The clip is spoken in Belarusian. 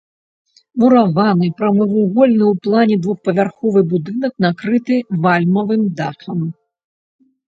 Мураваны, прамавугольны ў плане двухпавярховы будынак накрыты вальмавым дахам.